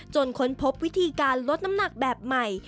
ค้นพบวิธีการลดน้ำหนักแบบใหม่